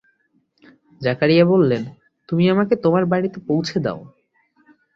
জাকারিয়া বললেন, তুমি আমাকে আমার বাড়িতে পৌছে দাও!